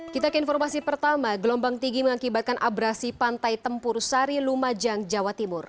kita ke informasi pertama gelombang tinggi mengakibatkan abrasi pantai tempur sari lumajang jawa timur